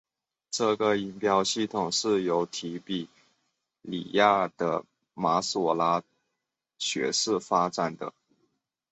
这个音标系统是由提比哩亚的马所拉学士发展成的。